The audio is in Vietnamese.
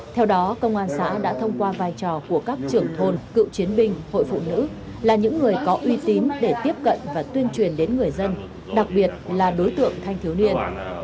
theo đó công an xã đã thông qua vai trò của các trưởng thôn cựu chiến binh hội phụ nữ là những người có uy tín để tiếp cận và tuyên truyền đến người dân đặc biệt là đối tượng thanh thiếu niên